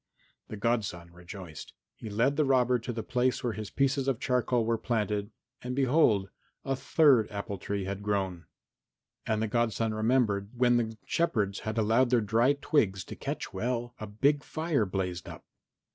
The godson rejoiced. He led the robber to the place where his pieces of charcoal were planted and behold! a third apple tree had grown. And the godson remembered that when the shepherds had allowed their dry twigs to catch well, a big fire blazed up.